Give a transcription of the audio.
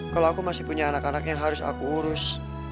kalau aku masih punya anak anak yang harus aku urus